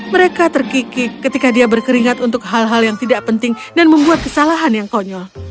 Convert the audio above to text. mereka terkikik ketika dia berkeringat untuk hal hal yang tidak penting dan membuat kesalahan yang konyol